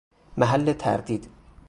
محل تردید